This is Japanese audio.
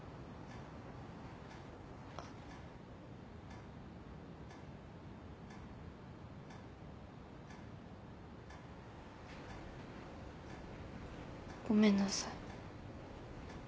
あ。ごめんなさい。